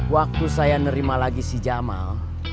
waktu saya nerima lagi si jamal